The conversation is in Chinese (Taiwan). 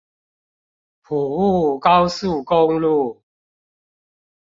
埔霧高速公路